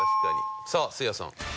さあせいやさん。